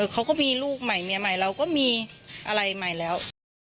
เขาก็มีลูกใหม่เมียใหม่เราก็มีอะไรใหม่แล้ว